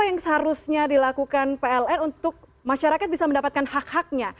apa yang seharusnya dilakukan pln untuk masyarakat bisa mendapatkan hak haknya